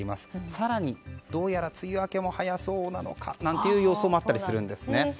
更にどうやら梅雨明けも早そうという予想もあったりするんですね。